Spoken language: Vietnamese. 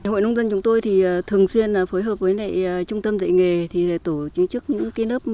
hội nông dân chúng tôi thì thường xuyên phối hợp với lại trung tâm dạy nghề thì tổ chứng chức những cái lớp